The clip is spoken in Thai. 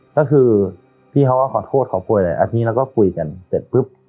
ก็คือพี่เขาก็ขอโทษขอโพยอะไรอันนี้เราก็คุยกันเสร็จปุ๊บ